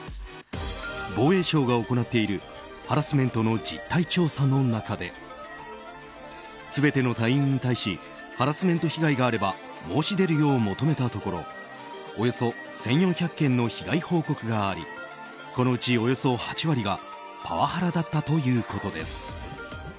防衛省が行っているハラスメントの実態調査の中で全ての隊員に対しハラスメント被害があれば申し出るよう求めたところおよそ１４００件の被害報告がありこのうち、およそ８割がパワハラだったということです。